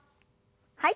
はい。